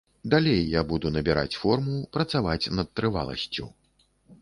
Далей я буду набіраць форму, працаваць над трываласцю.